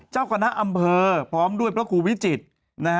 เจ้าคณะอำเภอพร้อมด้วยพระครูวิจิตรนะฮะ